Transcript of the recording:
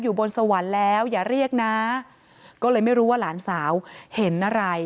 บนสวรรค์แล้วอย่าเรียกนะก็เลยไม่รู้ว่าหลานสาวเห็นอะไร